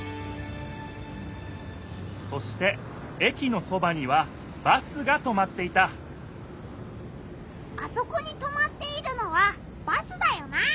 そしてえきのそばにはバスがとまっていたあそこにとまっているのはバスだよな！